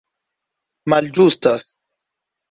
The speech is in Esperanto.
malĝustas